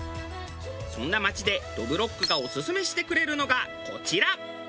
そんな街でどぶろっくがオススメしてくれるのがこちら。